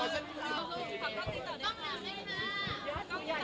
ติดต่อด้วยค่ะ